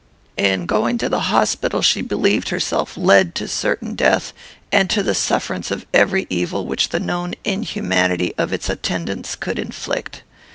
In going to the hospital, she believed herself led to certain death, and to the sufferance of every evil which the known inhumanity of its attendants could inflict.